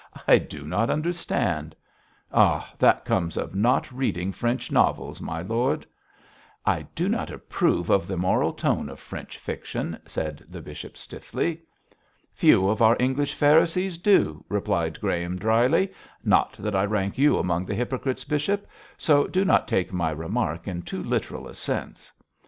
I do not understand.' 'Ah, that comes of not reading French novels, my lord!' 'I do not approve of the moral tone of French fiction,' said the bishop, stiffly. 'Few of our English Pharisees do,' replied Graham, dryly; 'not that I rank you among the hypocrites, bishop, so do not take my remark in too literal a sense.'